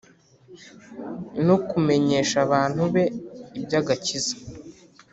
No kumenyesha abantu be iby’agakiza,